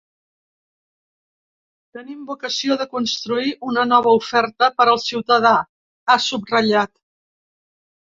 Tenim vocació de construir una nova oferta per al ciutadà, ha subratllat.